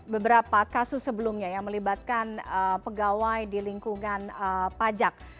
beberapa kasus sebelumnya yang melibatkan pegawai di lingkungan pajak